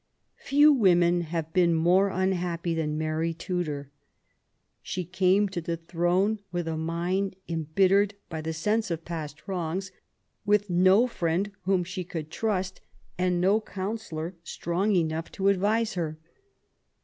Few women have been more unhappy than Mary Tudor. She came to the throne with a mind em bittered by the sense of past wrongs, with no friend whom she could trust, and no counsellor strong enough to advise her.